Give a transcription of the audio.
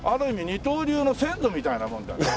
二刀流の先祖みたいなもんだよね。